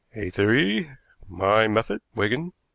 "A theory my method, Wigan.